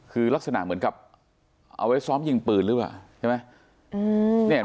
คือลักษณะเหมือนเอาไว้ซ้อมยิงปืนเลยแหละใช่ไหม